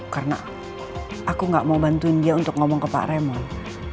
karena aku gak mau bantuin dia untuk ngomong ke pak raymond